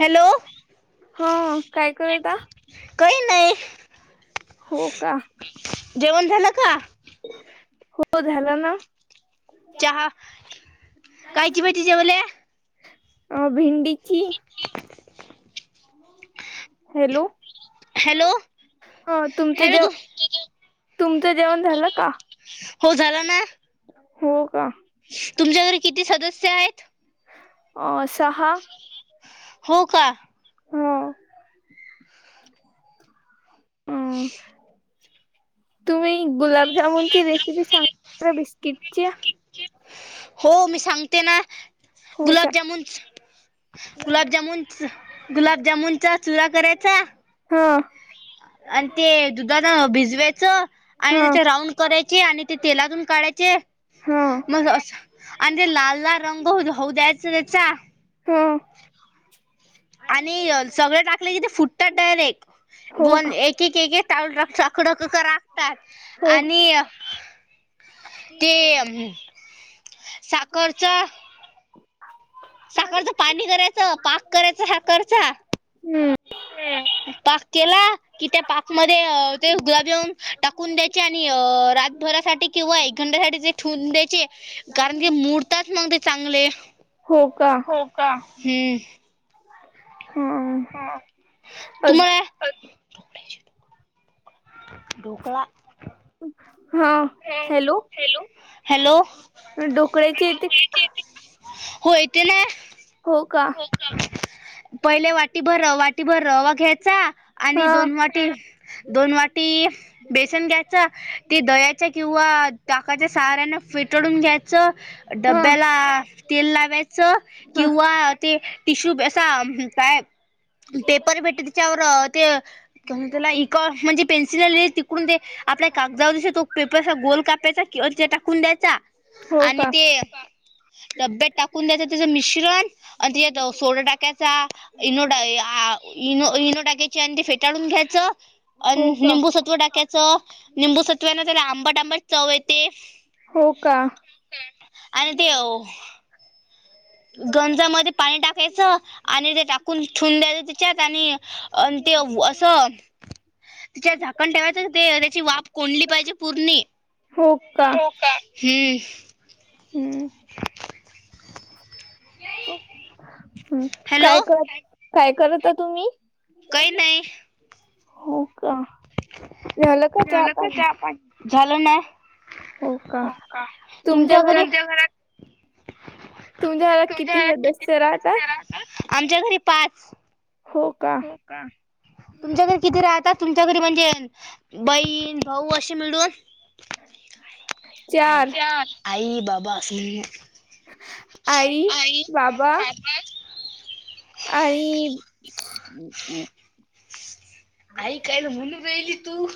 Hello हो काय करूता काही नाही हो का जेवण झालं का हो झाला ना चहा कायची भाजी जेवल्या अ भिंडीची [unintelligible] हॅलो हॅलो हा तुमचं हॅलो जेव तू तुमचं जेवण झालं का? हो झाला ना. हो का? तुमच्या घरी किती सदस्य आहेत? अ सहा हो का हो [unintelligible] तुम्ही गुलाब जामुनची रेसिपी सांगता बिस्किटची? हो मी सांगते ना हो सा गुलाबजामुन गुलाबजामुन गुलाबजामुनचा चुरा करायचा. हा आणि ते दुधात भिजवायचं आणि हा त्याच्या राऊंड करायचे आणि ते तेलातून काढायचे. हा मज असं आणि ते लाल लाल रंग होऊ द्यायचं त्याचा हो आणि सगळे टाकले कि ते फुटतात डायरेक्ट. हो का [unintelligible] हो आणि हम्म ते साखरचं साखरचं पाणी करायचं पाक करायच साखरचा पाक केला? कि त्या पाकमध्ये ते गुलाबजामन टाकून द्यायचे आणि रातभरासाठी किंवा एक घंट्यासाठी ते ठेवून द्यायचे कारण ते मुरतात मग ते चांगले. हो का? हो का हम्म हम्म. ह तुम्हाला ढोकळा हा हॅलो हॅलो ढोकळ्याची होय ते ना हो का? पहिले वाटी भर वाटी भर रवा घ्यायचा आणि हा दोन वाटी दोन वाटी बेसन घ्यायच ते दह्याच्या किंवा काकाच्या साऱ्याना फेटळून घ्यायचं हा डब्याला तेल लावायचं. हा किंवा ते टिशू असा काय? पेपर भेटते त्याच्यावर ते त्याला इक म्हणजे पेन्सिली तिकडून ते आपल्या कागदावर जस तो पेपरचा गोल कापायचा किंवा तिथ टाकून द्यायचा. हो आणि का ते डब्यात टाकून द्यायच त्याचं मिश्रण आणि त्याच्यात सोडा टाकायचा. इनो इनो टाका्यची आणि ते फेटाळून घ्यायचं. अन, हो का लिंबू सत्व डाक्यात च निंबू सत्वाना तर आंबाट आंबाट चव येते. हो का [unintelligible] गंजामध्ये पाणी टाकायचं आणि ते टाकून ठेवू द्यायच, त्याच्यात आणि आणि ते वस तिच्यावर झाकण ठेवायचं ते त्याची वाफ कोणली पाहिजे पूर्णी. हो का, हम्म हम्म, [inaudible] हम्. हॅलो काय कर काय करता तुम्ही? काही नाही हो का. झालं का चहा पाणी? झालं ना हो का. तुमच्या घरात तुमच्याला किती सदस्य राहता? हो. हो का. तुमच्याकरी किती राहतात? तुमच्या घरी म्हणजे - - बहीण, भाऊ अशी मिळून चार. आई, बाबा असली- -आई, बाबा- - आई आई कायला म्हणु रायली तू.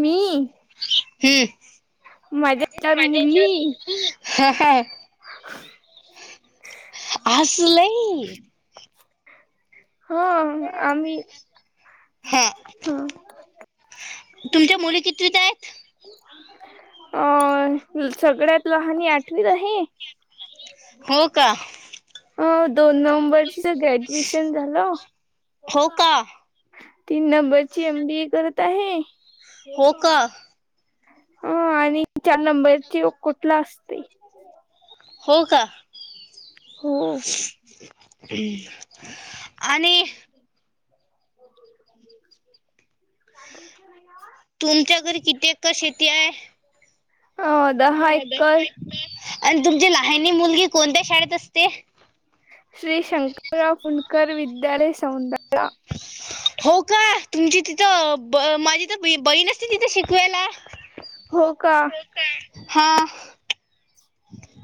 मी. हम्म माझ्या चार मुली. हा हां. आस लई. हं आम्ही हा ह. तुमच्या मुली कितवीत आहेत? अ सगळ्यात लहाणी आठवीत आहे. हो का. अ दोन नंबरच ग्रॅजुएशन झालं. हो का तीन नंबरची एम बी ए करत आहे होका. हं आणि चार नंबरची व कुठला असतयं - - हो का हं. ह् आणि [unintelligible] तुमच्या घरी किती एकर शेती हाय? अ दहा एकर आणि तुमची लहानी मुलगी कोणत्या शाळेत असते? श्री शंकरराव पुंडकरर् विद्यालय सौंदलगा. हो का. तुमची तिथं माझी तर बहीणच त -तिथे शिकवायला. हो का. हा.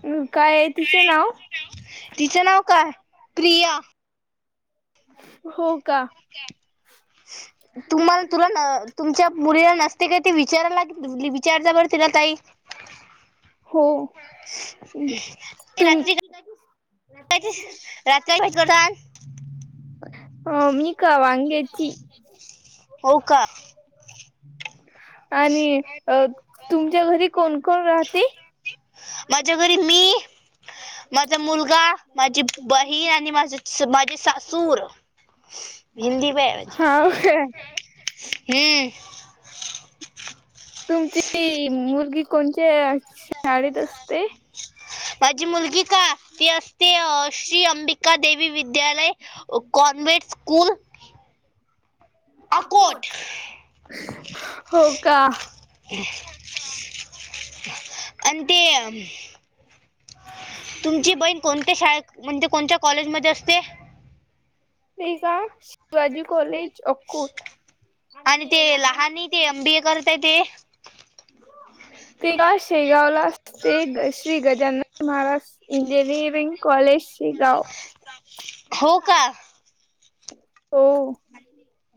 अ काय आहे तिचं नाव? तिचं नाव काय प्रिया. हो का. [inaudible] तुम्हाला तुला न तुमच्या मुलीला नसते काही ते विचारायलाग विचारता बर तिला ताई. [inaudible] हो. तुम - - काय ते? [unintelligible] हो. मी का वांग्याची. हो का. आणि अ तुमच्या घरी कोण कोण राहते? माझ्या घरी मी माझा मुलगा, माझी बहीण आणि माझ माझी सासूर हिंदी [unintelligible] माझी हा काय हम. तुमची मुलगी कोणत्या शाळेत असते? ते श्री अंबिका देवी विद्यालय कॉन्व्हेंट स्कूल अकोट हो का. ऑंटी तुमची बहीण कोणत्या शाळेत म्हणजे कोणत्या कॉलेजमध्ये असते. रेजा शिवाजी कॉलेज अक्कूट आणि ते लहान ये ते एम बी ए करतय ते तेका शेगावला असते ते ग श्री गजानन महाराज इंजिनिअरिंग कॉलेज शे गाव. हो का हो.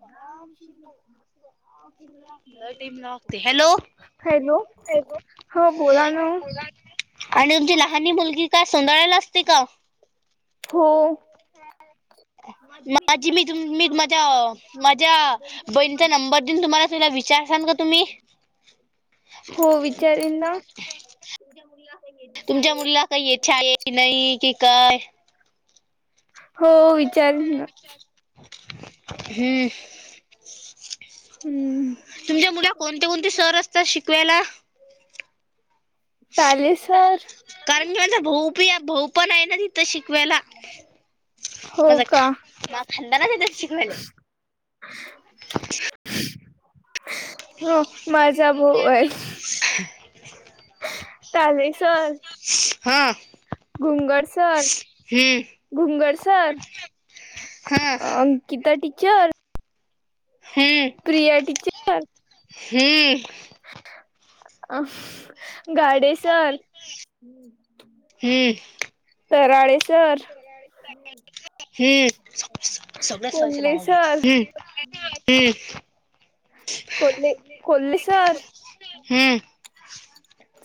पगा लय टीम लागते हॅलो हॅलो हो बोला ना आणि तुमची लहनी मुलगी का सोंदाळ्याला असते का? हो. माझी मी तु मी माझ्या माझ्या बहीणीचा नंबर देऊन तुम्हाला [unintelligible] विचार शानं का तुम्ही हो विचारीन ना तुमच्या मुलीला काय येचाये की नही कि काय हो, विचारीन ना हुं हम्म तुमच्या मुलीला कोणते कोणते सर असतात शिकवायला? ताले सर कारण की माझा भऊ पी, भाऊ पण हाय ना तिथं शिकवायला. हो मजा का ख, माझा खांदाना तिथंच शिकवायले हो, माझा भाऊ हाय. ताले हां भुंगर सर हं भुंगर सर हा अं की त्या टीचर हम्म प्रिया टीचर. हम्म अ गाडेसर हुं हुं पराळे सर. हुं सगळ्या सर ची कोल्हे नावं घे सर हुं हुं कोल्ले कोल्ले सर. हम्म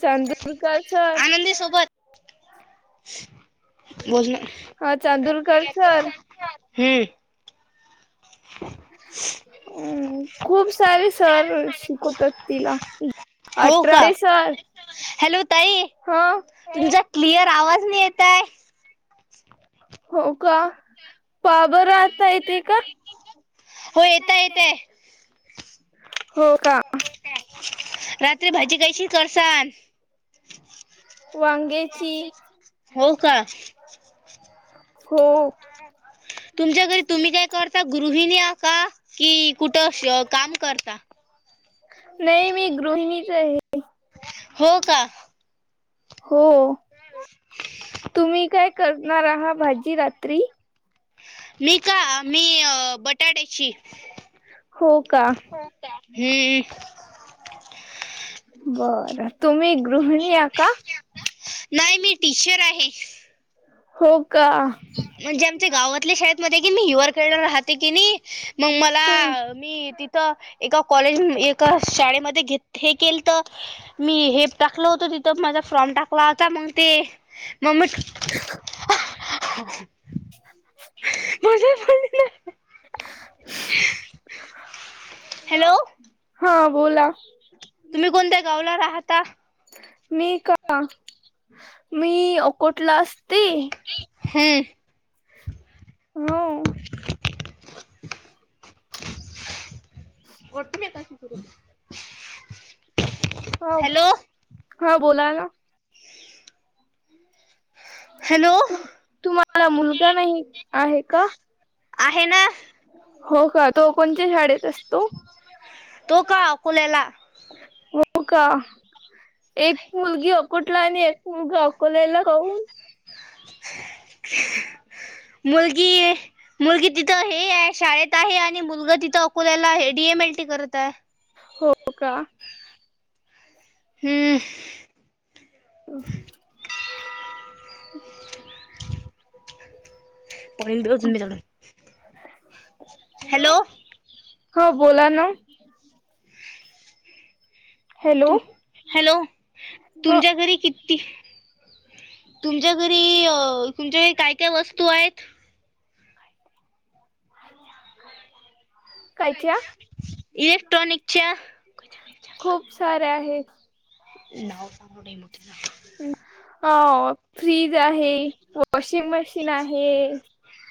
चांंदुरकर सर. आनंदी बोल सोबत ना हा चांदूरकर सर हुं [unintelligible] हुं हुं खूप सारे सर शिकवतात तिला हो का अठरावे सर हॅलो ताई ताई हा क्लिअर आवाज तुम्ही येताय. हो का? पहा बर आता येतय का? हो, येता येतय. हो का? रात्री भाजी कशी करसान वांग्याची हो का? हो. तुमच्या घरी तुम्ही काय करता? गृहिणी आ का? की कुठं श काम करता? नाही, मी गृहिणीच आहे. हो का? हो. तुम्ही काय करणार आहा भाजी रात्री? मी का? मी- बटाट्याची. हो का हम्म. बरं. तुम्ही- गृहिणी आहा का [unintelligible] नाही मी टीचर आहे. हो का? म्हणजे आमच्या गावातल्या शाळेतमध्ये की नी? [unintelligible] राहते की नाही? मग हं, मला- मी तिथं एका कॉलेज, एका शाळेमध्ये घेत हे केल त. मी हे टाकल होत तिथं. माझा फॉर्म टाकला होता. मग ते- म, ह [inaudible] हॅलो. हा बोला. तुम्ही कोणत्या गावला राहता? मी का? मी अकोटला असती. हम. हो. कोट [unintelligible] हो ब. हा बोला ना. हॅलो. तुम्हाला मुलगा नाही आहे का? आहे ना. हो का? तो कोणती शाळेत असतो? तो का? अकोल्याला. हो का? एक मुलगी अकुटला आणि एक मुलगा अकोल्या ला काऊन? मुलगी- मुलगी तिथं हे आहे शाळेत आहे. आणि मुलगा तिथं अकोल्याला हे डी एम एल टी करत आहे. हो का? हं. ह, पऽ हॅलो. हो, बोला नं. Hello hello. ह तुमच्या घरी किती? तुमच्या घरी तुमच्याकरी काय काय वस्तू आहेत? कायच्या? इलेक्ट्रॉनिकच्या. खूप साऱ्या आहेत नाव सांगू [unintelligible] अच् अ फ्रिज आहे. वॉशिंग मशीन आहे.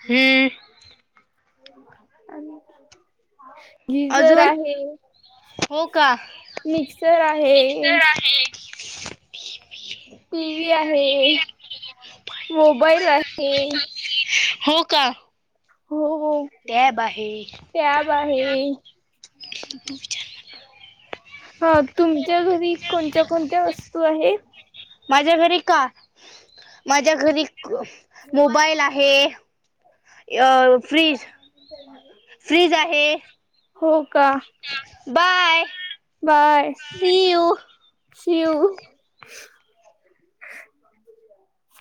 हम्म [inaudible] गीझर अजून आहे. हो का मिक्सर आहे. आहे एक. टी व्ही आहे. मोबाईल आहे. हो का? हो. हो. टॅब आहे टॅब आहे. हा. तुमच्या घरी कोणत्या कोणत्या वस्तू आहेत? माझ्या घरी - माझ्या घरी मोबाईल आहे. अ फ्रीज- फ्रीज आहे. हो का? बाय. सि यु. सिव. [inaudible]